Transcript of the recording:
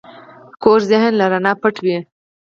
کوږ ذهن له رڼا پټ وي